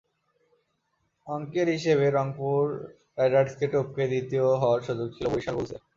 অঙ্কের হিসেবে রংপুর রাইডার্সকে টপকে দ্বিতীয় হওয়ার সুযোগ ছিল বরিশাল বুলসের।